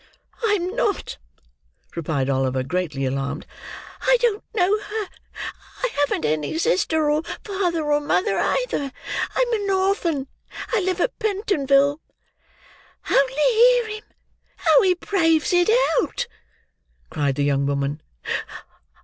"I am not," replied Oliver, greatly alarmed. "I don't know her. I haven't any sister, or father and mother either. I'm an orphan; I live at Pentonville." "Only hear him, how he braves it out!" cried the young woman.